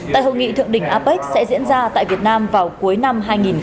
tại hội nghị thượng đỉnh apec sẽ diễn ra tại việt nam vào cuối năm hai nghìn hai mươi